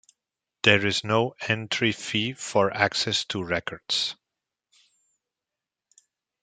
There is no entry fee for access to records.